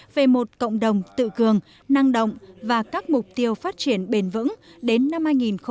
về một cộng đồng tự cường năng động và các mục tiêu phát triển bền vững đến năm hai nghìn ba mươi